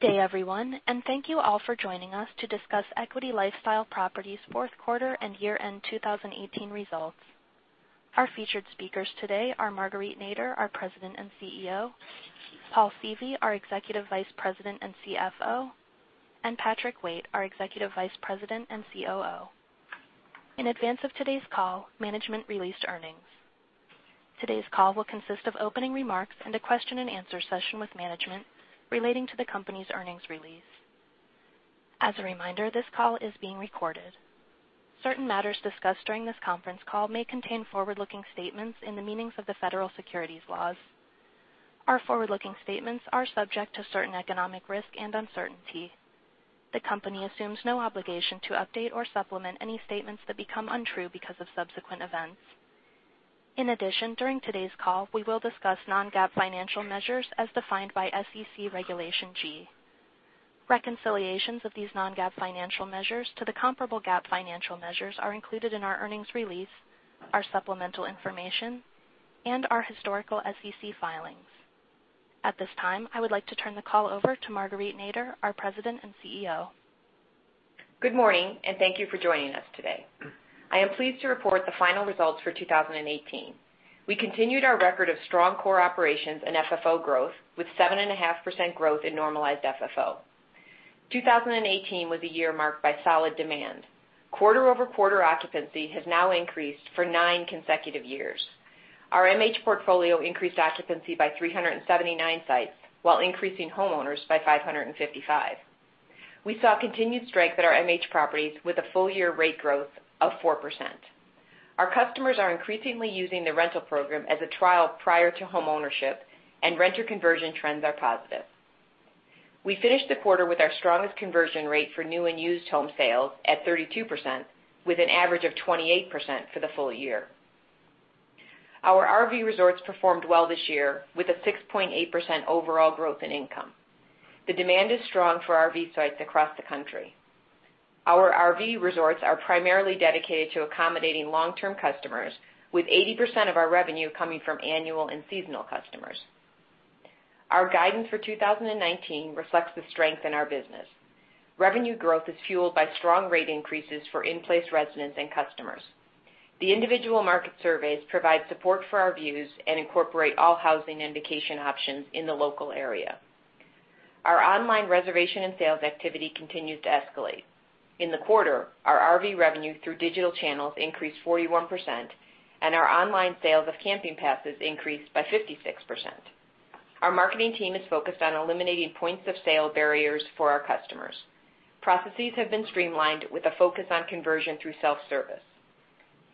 Good day everyone. Thank you all for joining us to discuss Equity LifeStyle Properties fourth quarter and year-end 2018 results. Our featured speakers today are Marguerite Nader, our President and CEO, Paul Seavey, our Executive Vice President and CFO, and Patrick Waite, our Executive Vice President and COO. In advance of today's call, management released earnings. Today's call will consist of opening remarks and a question and answer session with management relating to the company's earnings release. As a reminder, this call is being recorded. Certain matters discussed during this conference call may contain forward-looking statements in the meanings of the federal securities laws. Our forward-looking statements are subject to certain economic risk and uncertainty. The company assumes no obligation to update or supplement any statements that become untrue because of subsequent events. In addition, during today's call, we will discuss non-GAAP financial measures as defined by SEC Regulation G. Reconciliations of these non-GAAP financial measures to the comparable GAAP financial measures are included in our earnings release, our supplemental information, and our historical SEC filings. At this time, I would like to turn the call over to Marguerite Nader, our President and CEO. Good morning. Thank you for joining us today. I am pleased to report the final results for 2018. We continued our record of strong core operations and FFO growth with 7.5% growth in normalized FFO. 2018 was a year marked by solid demand. Quarter-over-quarter occupancy has now increased for nine consecutive years. Our MH portfolio increased occupancy by 379 sites while increasing homeowners by 555. We saw continued strength at our MH properties with a full-year rate growth of 4%. Our customers are increasingly using the rental program as a trial prior to homeownership, and renter conversion trends are positive. We finished the quarter with our strongest conversion rate for new and used home sales at 32%, with an average of 28% for the full year. Our RV resorts performed well this year with a 6.8% overall growth in income. The demand is strong for RV sites across the country. Our RV resorts are primarily dedicated to accommodating long-term customers, with 80% of our revenue coming from annual and seasonal customers. Our guidance for 2019 reflects the strength in our business. Revenue growth is fueled by strong rate increases for in-place residents and customers. The individual market surveys provide support for our views and incorporate all housing and vacation options in the local area. Our online reservation and sales activity continues to escalate. In the quarter, our RV revenue through digital channels increased 41%, and our online sales of camping passes increased by 56%. Our marketing team is focused on eliminating points-of-sale barriers for our customers. Processes have been streamlined with a focus on conversion through self-service.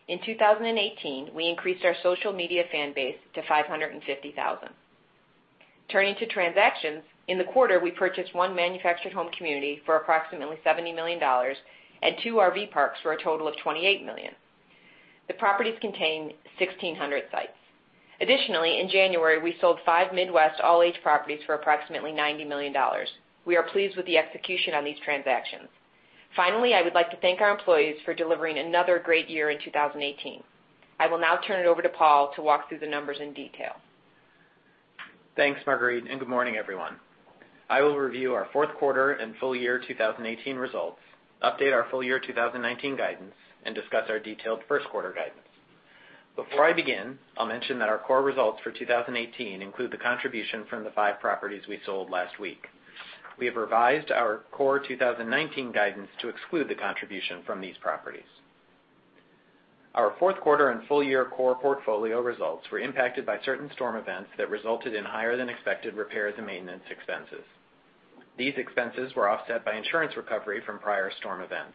In 2018, we increased our social media fan base to 550,000. Turning to transactions, in the quarter, we purchased one manufactured home community for approximately $70 million and two RV parks for a total of $28 million. The properties contain 1,600 sites. Additionally, in January, we sold five Midwest all-age properties for approximately $90 million. We are pleased with the execution on these transactions. Finally, I would like to thank our employees for delivering another great year in 2018. I will now turn it over to Paul to walk through the numbers in detail. Thanks, Marguerite. Good morning everyone. I will review our fourth quarter and full year 2018 results, update our full year 2019 guidance, and discuss our detailed first quarter guidance. Before I begin, I'll mention that our core results for 2018 include the contribution from the five properties we sold last week. We have revised our core 2019 guidance to exclude the contribution from these properties. Our fourth quarter and full year core portfolio results were impacted by certain storm events that resulted in higher than expected repairs and maintenance expenses. These expenses were offset by insurance recovery from prior storm events.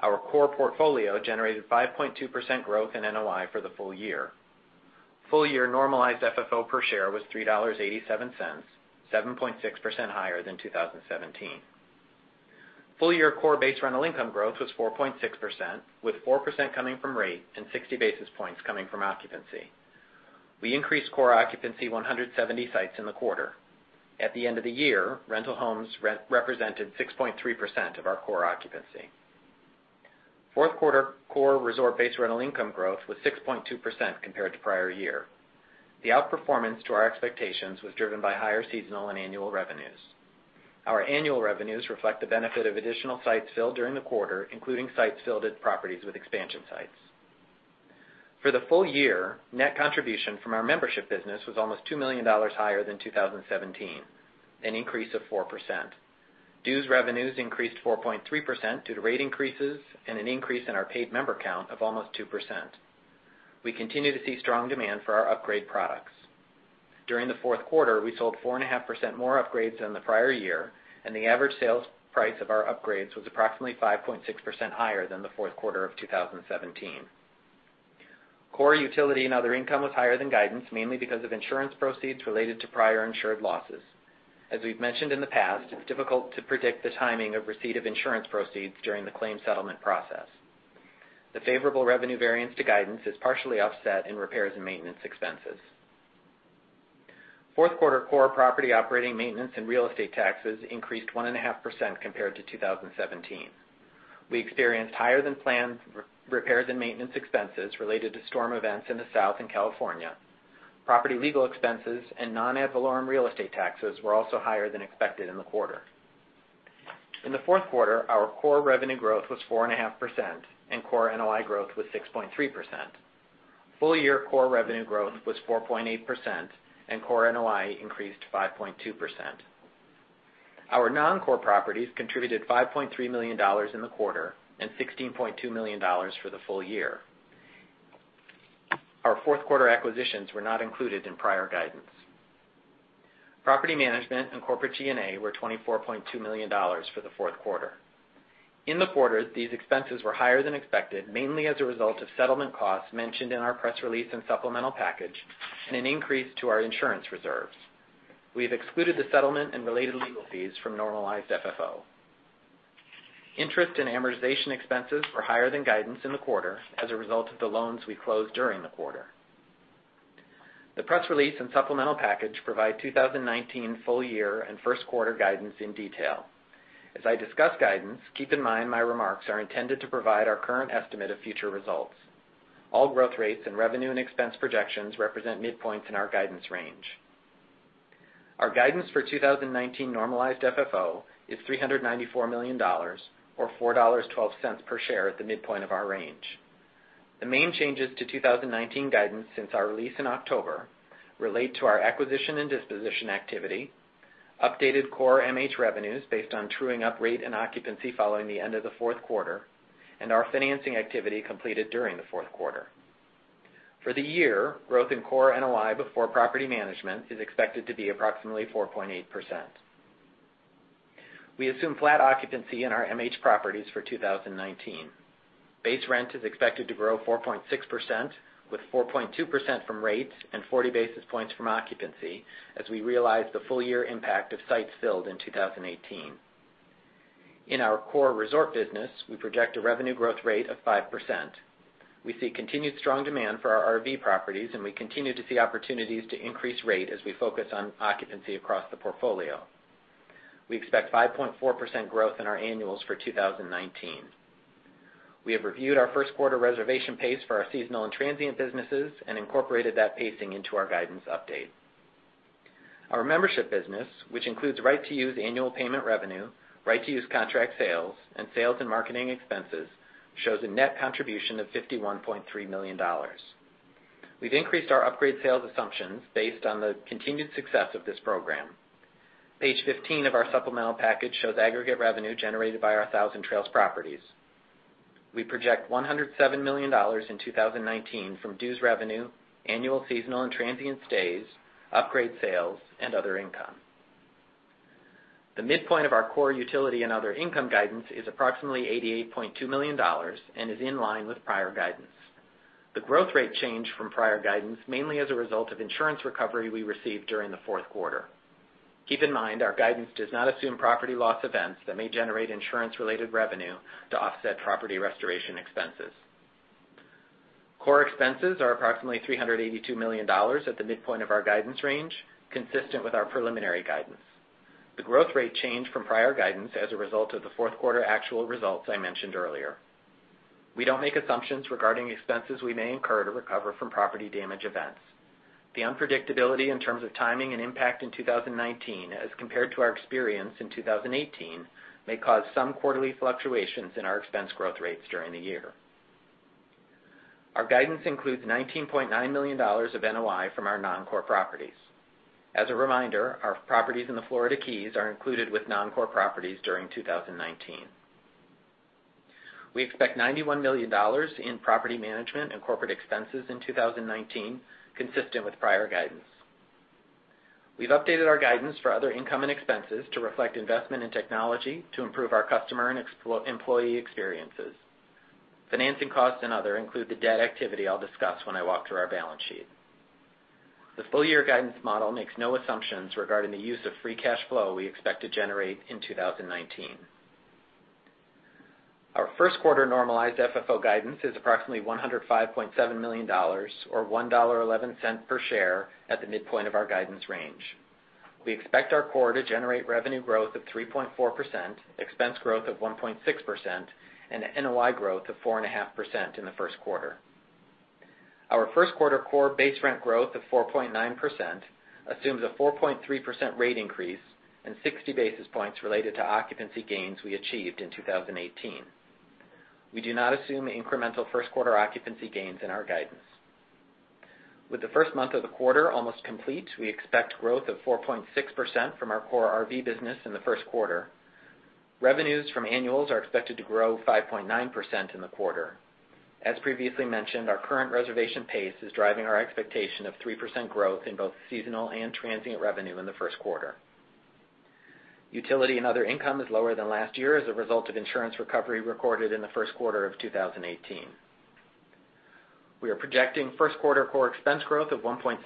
Our core portfolio generated 5.2% growth in NOI for the full year. Full year normalized FFO per share was $3.87, 7.6% higher than 2017. Full year core base rental income growth was 4.6%, with 4% coming from rate and 60 basis points coming from occupancy. We increased core occupancy 170 sites in the quarter. At the end of the year, rental homes represented 6.3% of our core occupancy. Fourth quarter core resort base rental income growth was 6.2% compared to prior year. The outperformance to our expectations was driven by higher seasonal and annual revenues. Our annual revenues reflect the benefit of additional sites filled during the quarter, including sites filled at properties with expansion sites. For the full year, net contribution from our membership business was almost $2 million higher than 2017, an increase of 4%. Dues revenues increased 4.3% due to rate increases and an increase in our paid member count of almost 2%. We continue to see strong demand for our upgrade products. During the fourth quarter, we sold 4.5% more upgrades than the prior year, and the average sales price of our upgrades was approximately 5.6% higher than the fourth quarter of 2017. Core utility and other income was higher than guidance, mainly because of insurance proceeds related to prior insured losses. As we've mentioned in the past, it's difficult to predict the timing of receipt of insurance proceeds during the claim settlement process. The favorable revenue variance to guidance is partially offset in repairs and maintenance expenses. Fourth quarter core property operating maintenance and real estate taxes increased 1.5% compared to 2017. We experienced higher than planned repairs and maintenance expenses related to storm events in the South and California. Property legal expenses and non-ad valorem real estate taxes were also higher than expected in the quarter. In the fourth quarter, our core revenue growth was 4.5% and core NOI growth was 6.3%. Full-year core revenue growth was 4.8%, and core NOI increased 5.2%. Our non-core properties contributed $5.3 million in the quarter and $16.2 million for the full year. Our fourth quarter acquisitions were not included in prior guidance. Property management and corporate G&A were $24.2 million for the fourth quarter. In the quarter, these expenses were higher than expected, mainly as a result of settlement costs mentioned in our press release and supplemental package and an increase to our insurance reserves. We have excluded the settlement and related legal fees from normalized FFO. Interest and amortization expenses were higher than guidance in the quarter as a result of the loans we closed during the quarter. The press release and supplemental package provide 2019 full-year and first quarter guidance in detail. As I discuss guidance, keep in mind my remarks are intended to provide our current estimate of future results. All growth rates and revenue and expense projections represent midpoints in our guidance range. Our guidance for 2019 normalized FFO is $394 million, or $4.12 per share at the midpoint of our range. The main changes to 2019 guidance since our release in October relate to our acquisition and disposition activity, updated core MH revenues based on truing up rate and occupancy following the end of the fourth quarter, and our financing activity completed during the fourth quarter. For the year, growth in core NOI before property management is expected to be approximately 4.8%. We assume flat occupancy in our MH properties for 2019. Base rent is expected to grow 4.6%, with 4.2% from rates and 40 basis points from occupancy, as we realize the full-year impact of sites filled in 2018. In our core resort business, we project a revenue growth rate of 5%. We see continued strong demand for our RV properties, and we continue to see opportunities to increase rate as we focus on occupancy across the portfolio. We expect 5.4% growth in our annuals for 2019. We have reviewed our first quarter reservation pace for our seasonal and transient businesses and incorporated that pacing into our guidance update. Our membership business, which includes right to use annual payment revenue, right to use contract sales, and sales and marketing expenses, shows a net contribution of $51.3 million. We've increased our upgrade sales assumptions based on the continued success of this program. Page 15 of our supplemental package shows aggregate revenue generated by our Thousand Trails properties. We project $107 million in 2019 from dues revenue, annual, seasonal, and transient stays, upgrade sales, and other income. The midpoint of our core utility and other income guidance is approximately $88.2 million and is in line with prior guidance. The growth rate changed from prior guidance mainly as a result of insurance recovery we received during the fourth quarter. Keep in mind, our guidance does not assume property loss events that may generate insurance-related revenue to offset property restoration expenses. Core expenses are approximately $382 million at the midpoint of our guidance range, consistent with our preliminary guidance. The growth rate changed from prior guidance as a result of the fourth quarter actual results I mentioned earlier. We don't make assumptions regarding expenses we may incur to recover from property damage events. The unpredictability in terms of timing and impact in 2019 as compared to our experience in 2018 may cause some quarterly fluctuations in our expense growth rates during the year. Our guidance includes $19.9 million of NOI from our non-core properties. As a reminder, our properties in the Florida Keys are included with non-core properties during 2019. We expect $91 million in property management and corporate expenses in 2019, consistent with prior guidance. We've updated our guidance for other income and expenses to reflect investment in technology to improve our customer and employee experiences. Financing costs and other include the debt activity I'll discuss when I walk through our balance sheet. The full-year guidance model makes no assumptions regarding the use of free cash flow we expect to generate in 2019. Our first quarter normalized FFO guidance is approximately $105.7 million, or $1.11 per share at the midpoint of our guidance range. We expect our core to generate revenue growth of 3.4%, expense growth of 1.6%, and NOI growth of 4.5% in the first quarter. Our first quarter core base rent growth of 4.9% assumes a 4.3% rate increase and 60 basis points related to occupancy gains we achieved in 2018. We do not assume incremental first quarter occupancy gains in our guidance. With the first month of the quarter almost complete, we expect growth of 4.6% from our core RV business in the first quarter. Revenues from annuals are expected to grow 5.9% in the quarter. As previously mentioned, our current reservation pace is driving our expectation of 3% growth in both seasonal and transient revenue in the first quarter. Utility and other income is lower than last year as a result of insurance recovery recorded in the first quarter of 2018. We are projecting first quarter core expense growth of 1.6%.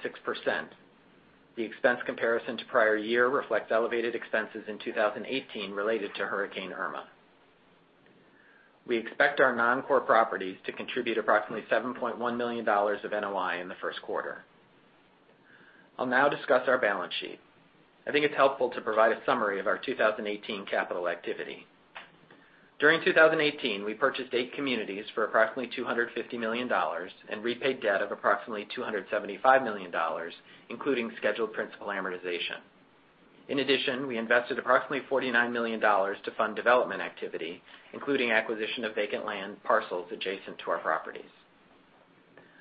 The expense comparison to prior year reflects elevated expenses in 2018 related to Hurricane Irma. We expect our non-core properties to contribute approximately $7.1 million of NOI in the first quarter. I'll now discuss our balance sheet. I think it's helpful to provide a summary of our 2018 capital activity. During 2018, we purchased eight communities for approximately $250 million and repaid debt of approximately $275 million, including scheduled principal amortization. In addition, we invested approximately $49 million to fund development activity, including acquisition of vacant land parcels adjacent to our properties.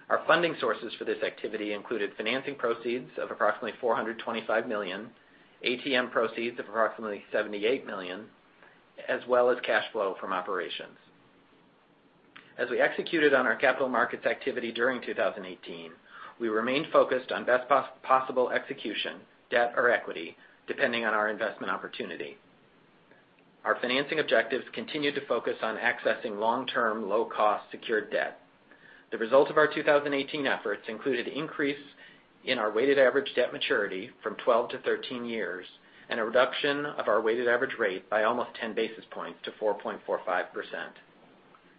Our funding sources for this activity included financing proceeds of approximately $425 million, ATM proceeds of approximately $78 million, as well as cash flow from operations. As we executed on our capital markets activity during 2018, we remained focused on best possible execution, debt or equity, depending on our investment opportunity. Our financing objectives continued to focus on accessing long-term, low-cost secured debt. The result of our 2018 efforts included increase in our weighted average debt maturity from 12 to 13 years and a reduction of our weighted average rate by almost 10 basis points to 4.45%.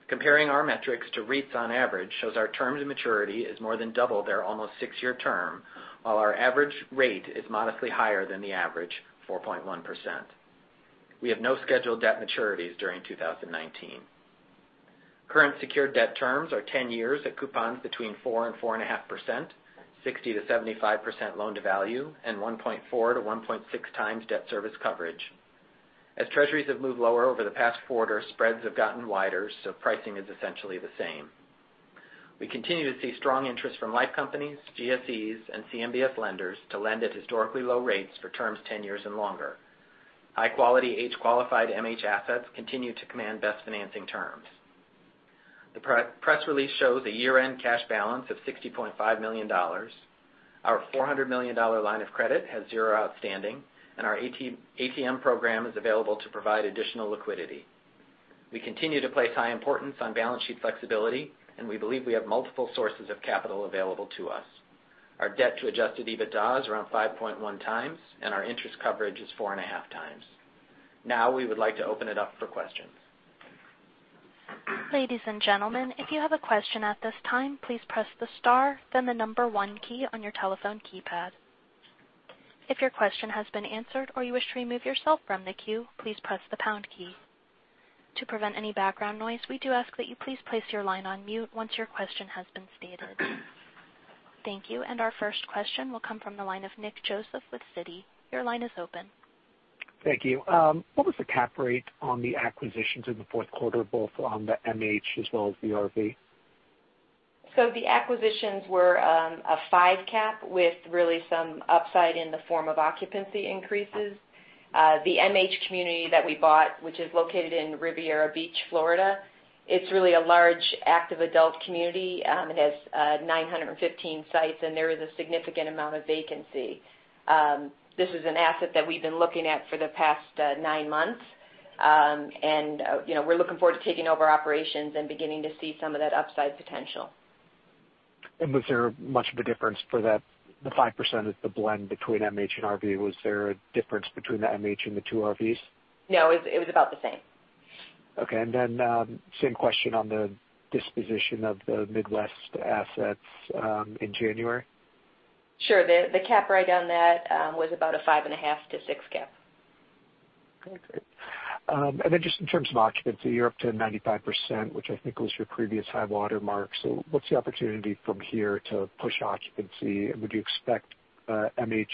Comparing our metrics to REITs on average shows our terms of maturity is more than double their almost six-year term, while our average rate is modestly higher than the average 4.1%. We have no scheduled debt maturities during 2019. Current secured debt terms are 10 years at coupons between 4% and 4.5%, 60%-75% loan-to-value, and 1.4x to 1.6x debt service coverage. Pricing is essentially the same. We continue to see strong interest from life companies, GSEs, and CMBS lenders to lend at historically low rates for terms 10 years and longer. High-quality, age-qualified MH assets continue to command best financing terms. The press release shows a year-end cash balance of $60.5 million. Our $400 million line of credit has zero outstanding, and our ATM program is available to provide additional liquidity. We continue to place high importance on balance sheet flexibility, and we believe we have multiple sources of capital available to us. Our debt to adjusted EBITDA is around 5.1x, and our interest coverage is 4.5x. We would like to open it up for questions. Ladies and gentlemen, if you have a question at this time, please press the star, then the number one key on your telephone keypad. If your question has been answered or you wish to remove yourself from the queue, please press the pound key. To prevent any background noise, we do ask that you please place your line on mute once your question has been stated. Thank you. Our first question will come from the line of Nick Joseph with Citi. Your line is open. Thank you. What was the cap rate on the acquisitions in the fourth quarter, both on the MH as well as the RV? The acquisitions were a five cap with really some upside in the form of occupancy increases. The MH community that we bought, which is located in Riviera Beach, Florida, it's really a large active adult community. It has 915 sites, and there is a significant amount of vacancy. This is an asset that we've been looking at for the past nine months. We're looking forward to taking over operations and beginning to see some of that upside potential. Was there much of a difference for the 5% of the blend between MH and RV? Was there a difference between the MH and the two RVs? No, it was about the same. Okay. Same question on the disposition of the Midwest assets in January. Sure. The cap rate on that was about a 5.5-6 cap. Okay, great. Just in terms of occupancy, you're up to 95%, which I think was your previous high watermark. What's the opportunity from here to push occupancy? Would you expect MH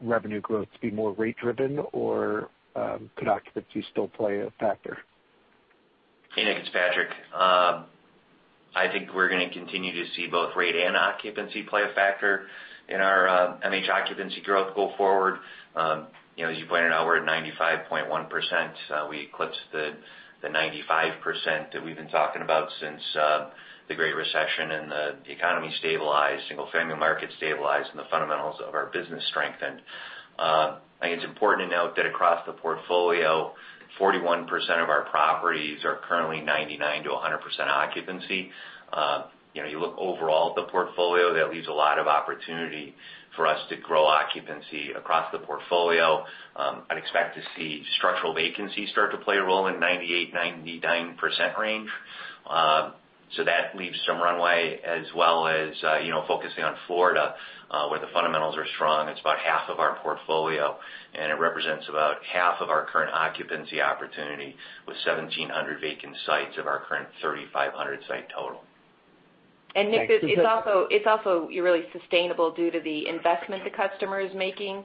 revenue growth to be more rate driven or could occupancy still play a factor? Hey, Nick, it's Patrick. I think we're going to continue to see both rate and occupancy play a factor in our MH occupancy growth go forward. As you pointed out, we're at 95.1%. We eclipsed the 95% that we've been talking about since the Great Recession and the economy stabilized, single-family market stabilized, and the fundamentals of our business strengthened. I think it's important to note that across the portfolio, 41% of our properties are currently 99%-100% occupancy. You look overall at the portfolio, that leaves a lot of opportunity for us to grow occupancy across the portfolio. I'd expect to see structural vacancies start to play a role in 98%-99% range. That leaves some runway as well as focusing on Florida, where the fundamentals are strong. It's about half of our portfolio, and it represents about half of our current occupancy opportunity, with 1,700 vacant sites of our current 3,500 site total. Nick, it's also really sustainable due to the investment the customer is making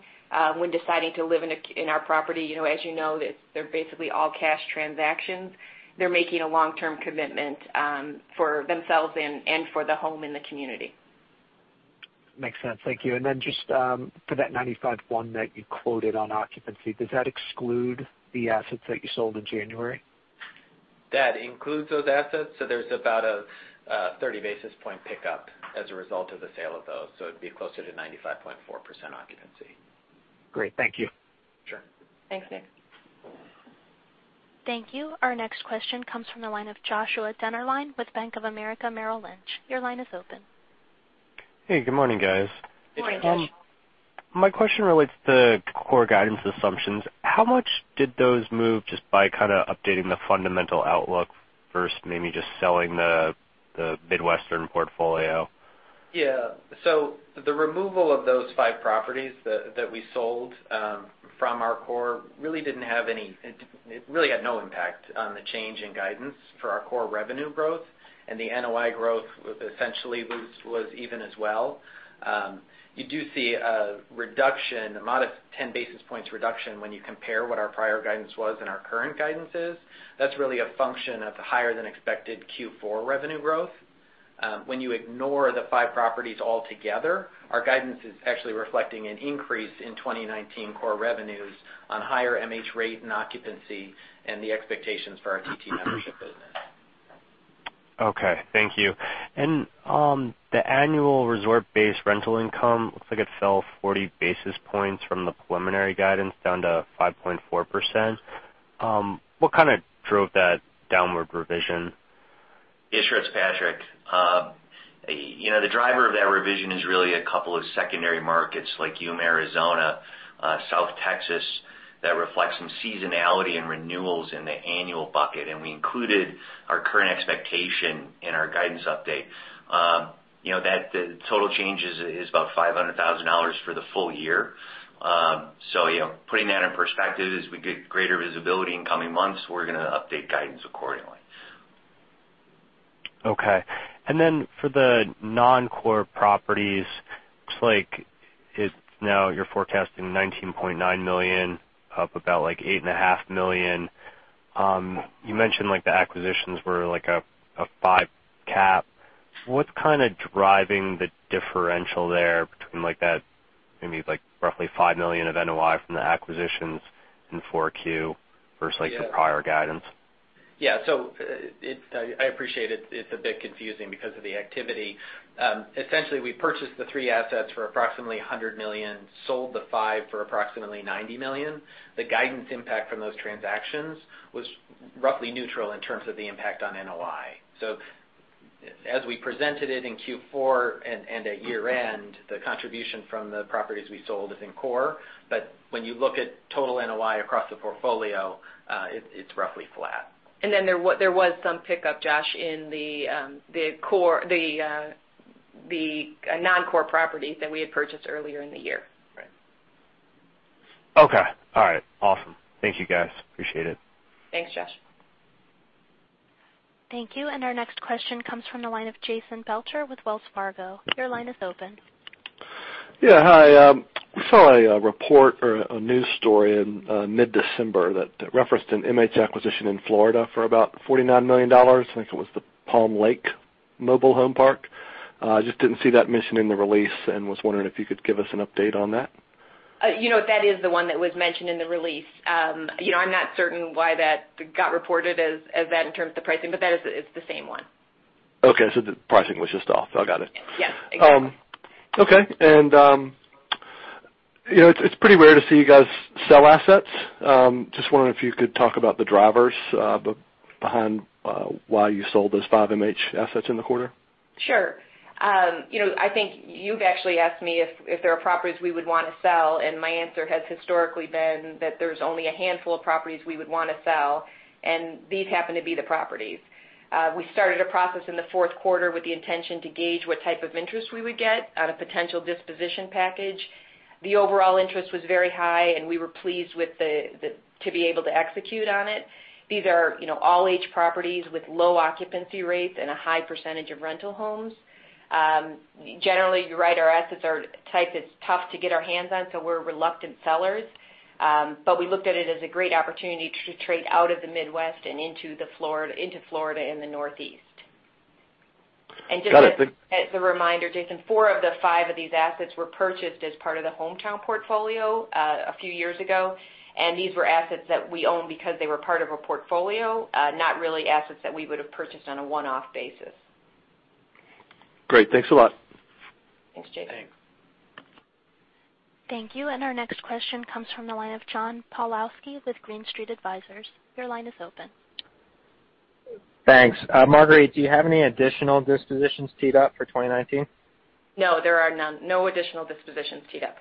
when deciding to live in our property. As you know, they're basically all cash transactions. They're making a long-term commitment for themselves and for the home and the community. Makes sense. Thank you. Just for that 95.1 that you quoted on occupancy, does that exclude the assets that you sold in January? That includes those assets. There's about a 30-basis point pickup as a result of the sale of those. It'd be closer to 95.4% occupancy. Great. Thank you. Sure. Thanks, Nick. Thank you. Our next question comes from the line of Joshua Dennerlein with Bank of America Merrill Lynch. Your line is open. Hey, good morning, guys. Good morning, Josh. My question relates to core guidance assumptions. How much did those move just by kind of updating the fundamental outlook versus maybe just selling the Midwestern portfolio? The removal of those five properties that we sold from our core really had no impact on the change in guidance for our core revenue growth, and the NOI growth was essentially even as well. You do see a modest 10 basis points reduction when you compare what our prior guidance was and our current guidance is. That's really a function of the higher than expected Q4 revenue growth. When you ignore the five properties altogether, our guidance is actually reflecting an increase in 2019 core revenues on higher MH rate and occupancy and the expectations for our TT membership business. Okay. Thank you. The annual resort-based rental income looks like it fell 40 basis points from the preliminary guidance down to 5.4%. What drove that downward revision? Yes, sure, it's Patrick. The driver of that revision is really a couple of secondary markets like Yuma, Arizona, South Texas, that reflect some seasonality in renewals in the annual bucket, and we included our current expectation in our guidance update. The total change is about $500,000 for the full year. Putting that in perspective, as we get greater visibility in coming months, we're going to update guidance accordingly. Okay. For the non-core properties, looks like now you're forecasting $19.9 million, up about $8.5 million. You mentioned the acquisitions were a five cap. What's kind of driving the differential there between that maybe roughly $5 million of NOI from the acquisitions in 4Q versus the prior guidance? I appreciate it's a bit confusing because of the activity. Essentially, we purchased the three assets for approximately $100 million, sold the five for approximately $90 million. The guidance impact from those transactions was roughly neutral in terms of the impact on NOI. As we presented it in Q4 and at year-end, the contribution from the properties we sold is in core. When you look at total NOI across the portfolio, it's roughly flat. There was some pickup, Josh, in the non-core properties that we had purchased earlier in the year. Right. Okay. All right. Awesome. Thank you guys. Appreciate it. Thanks, Josh. Thank you. Our next question comes from the line of Jason Belcher with Wells Fargo. Your line is open. Yeah. Hi. We saw a report or a news story in mid-December that referenced an MH acquisition in Florida for about $49 million. I think it was the Palm Lake Mobile Home Park. Just didn't see that mentioned in the release, and was wondering if you could give us an update on that. That is the one that was mentioned in the release. I'm not certain why that got reported as that in terms of the pricing, but that is the same one. Okay. The pricing was just off. I got it. Yes, exactly. Okay. It's pretty rare to see you guys sell assets. Just wondering if you could talk about the drivers behind why you sold those five MH assets in the quarter. Sure. I think you've actually asked me if there are properties we would want to sell, and my answer has historically been that there's only a handful of properties we would want to sell, and these happen to be the properties. We started a process in the fourth quarter with the intention to gauge what type of interest we would get on a potential disposition package. The overall interest was very high, and we were pleased to be able to execute on it. These are all age properties with low occupancy rates and a high percentage of rental homes. Generally, you're right, our assets are the type that's tough to get our hands on, so we're reluctant sellers. We looked at it as a great opportunity to trade out of the Midwest and into Florida and the Northeast. Got it. Thank you. Just as a reminder, Jason, four of the five of these assets were purchased as part of the Hometown portfolio a few years ago, and these were assets that we own because they were part of a portfolio, not really assets that we would've purchased on a one-off basis. Great. Thanks a lot. Thanks, Jason. Thanks. Thank you. Our next question comes from the line of John Pawlowski with Green Street Advisors. Your line is open. Thanks. Marguerite, do you have any additional dispositions teed up for 2019? No, there are no additional dispositions teed up.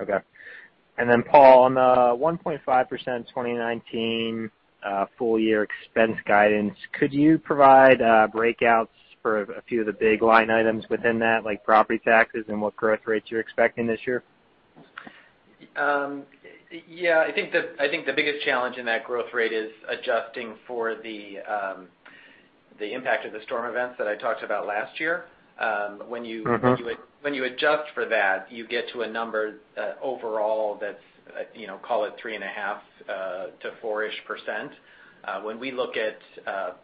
Okay. Paul, on the 1.5% 2019 full year expense guidance, could you provide breakouts for a few of the big line items within that, like property taxes and what growth rates you're expecting this year? Yeah. I think the biggest challenge in that growth rate is adjusting for the impact of the storm events that I talked about last year. When you adjust for that, you get to a number overall that's, call it 3.5% to 4-ish%. When we look at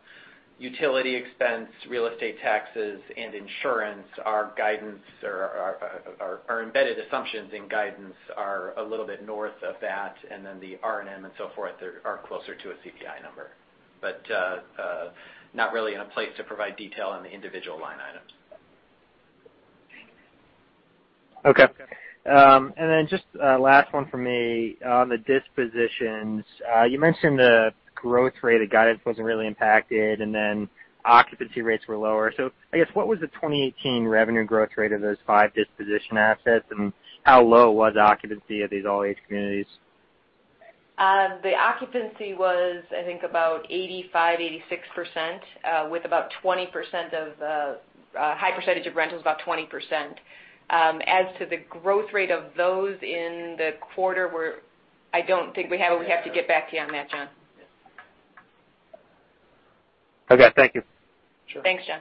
utility expense, real estate taxes, and insurance, our embedded assumptions in guidance are a little bit north of that, and then the R&M and so forth are closer to a CPI number. Not really in a place to provide detail on the individual line items. Okay. Just last one from me. On the dispositions, you mentioned the growth rate of guidance wasn't really impacted, and then occupancy rates were lower. I guess, what was the 2018 revenue growth rate of those five disposition assets, and how low was occupancy at these all age communities? The occupancy was, I think about 85%, 86%, with a high percentage of rentals, about 20%. As to the growth rate of those in the quarter, I don't think we have it. We have to get back to you on that, John. Okay. Thank you. Sure. Thanks, John.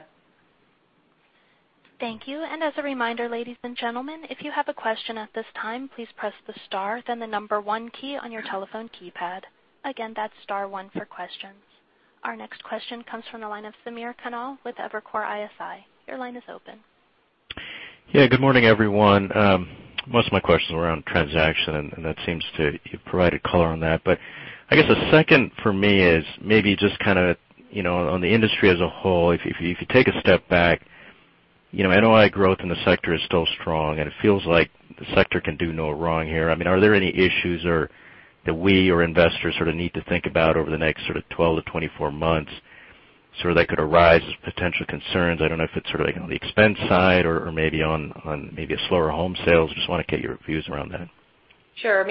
Thank you. As a reminder, ladies and gentlemen, if you have a question at this time, please press the star, then the number one key on your telephone keypad. Again, that's star one for questions. Our next question comes from the line of Samir Khanal with Evercore ISI. Your line is open. Yeah. Good morning, everyone. Most of my questions were around transaction, that seems to provide a color on that. I guess a second for me is maybe just on the industry as a whole. If you take a step back, NOI growth in the sector is still strong, it feels like the sector can do no wrong here. Are there any issues that we or investors sort of need to think about over the next 12-24 months, they could arise as potential concerns? I don't know if it's on the expense side or maybe on slower home sales. Just want to get your views around that. Sure.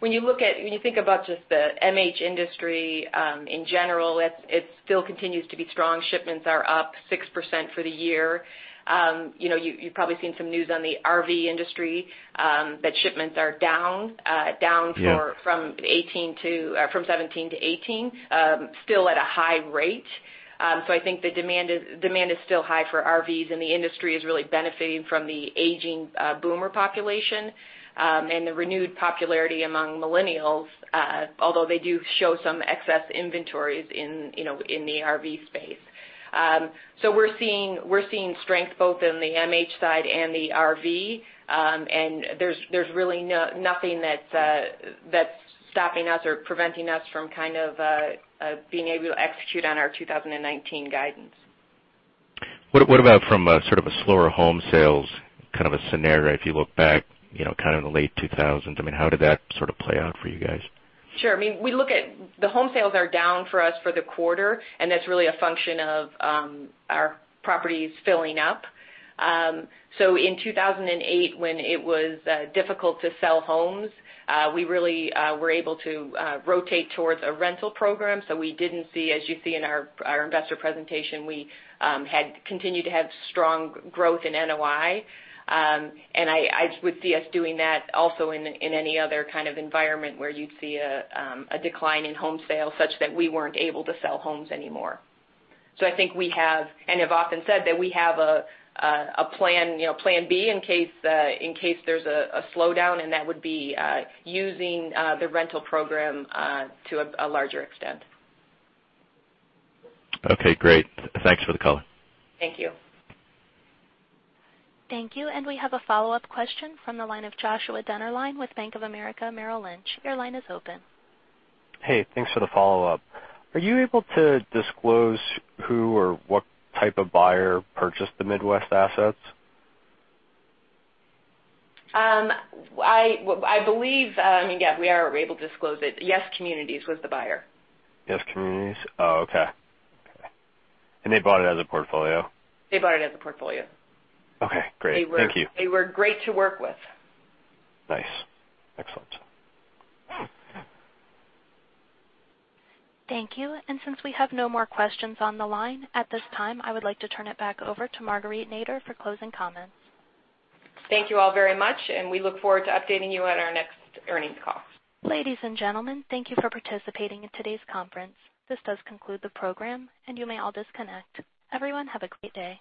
When you think about just the MH industry in general, it still continues to be strong. Shipments are up 6% for the year. You've probably seen some news on the RV industry, that shipments are down from 2017 to 2018, still at a high rate. I think the demand is still high for RVs, and the industry is really benefiting from the aging boomer population, and the renewed popularity among millennials, although they do show some excess inventories in the RV space. We're seeing strength both in the MH side and the RV. There's really nothing that's stopping us or preventing us from being able to execute on our 2019 guidance. What about from a sort of a slower home sales kind of a scenario? If you look back kind of in the late 2000s, how did that sort of play out for you guys? Sure. The home sales are down for us for the quarter, and that's really a function of our properties filling up. In 2008, when it was difficult to sell homes, we really were able to rotate towards a rental program. As you see in our investor presentation, we had continued to have strong growth in NOI. I would see us doing that also in any other kind of environment where you'd see a decline in home sales, such that we weren't able to sell homes anymore. I think we have, and have often said that we have a plan B in case there's a slowdown, and that would be using the rental program to a larger extent. Okay, great. Thanks for the color. Thank you. Thank you. We have a follow-up question from the line of Joshua Dennerlein with Bank of America Merrill Lynch. Your line is open. Hey, thanks for the follow-up. Are you able to disclose who or what type of buyer purchased the Midwest assets? I believe, yeah, we are able to disclose it. YES Communities was the buyer. YES Communities? Oh, okay. They bought it as a portfolio? They bought it as a portfolio. Okay, great. Thank you. They were great to work with. Nice. Excellent. Thank you. Since we have no more questions on the line at this time, I would like to turn it back over to Marguerite Nader for closing comments. Thank you all very much. We look forward to updating you at our next earnings call. Ladies and gentlemen, thank you for participating in today's conference. This does conclude the program. You may all disconnect. Everyone, have a great day.